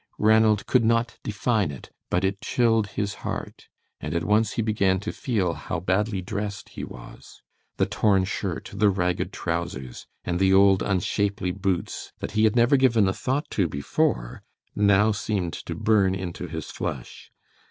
Ranald could not define it, but it chilled his heart, and at once he began to feel how badly dressed he was. The torn shirt, the ragged trousers, and the old, unshapely boots that he had never given a thought to before, now seemed to burn into his flesh.